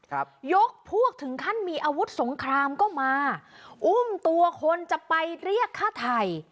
ยกพวกถึงขั้นมีอาวุธสงครามก็มาอุ้มตัวคนจะไปเรียกฆ่าไทย